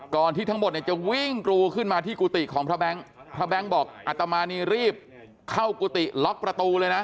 ที่ทั้งหมดเนี่ยจะวิ่งกรูขึ้นมาที่กุฏิของพระแบงค์พระแบงค์บอกอัตมานีรีบเข้ากุฏิล็อกประตูเลยนะ